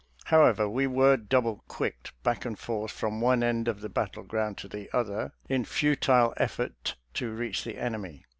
However, we were double quicked back and forth from one end of the battleground to the other, in futile effort to reach the enemy.